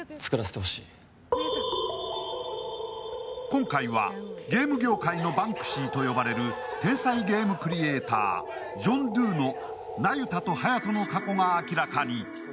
今回はゲーム業界のバンクシーと呼ばれる天才ゲームクリエーター、ジョン・ドゥの那由他と隼人の過去が明らかに。